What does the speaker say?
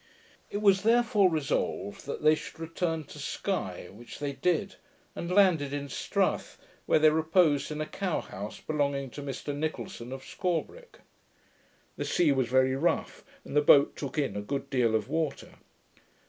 It was therefore resolved that they should return to Sky, which they did, and landed in Strath, where they reposed in a cow house belonging to Mr Niccolson of Scorbreck. The sea was very rough, and the boat took in a good deal of water.